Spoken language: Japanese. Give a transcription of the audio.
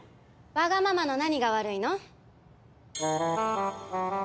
わがままの何が悪いの？